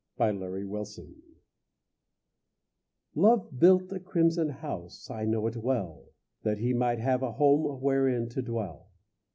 The Crimson House Love built a crimson house, I know it well, That he might have a home Wherein to dwell.